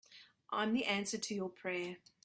I'm the answer to your prayer.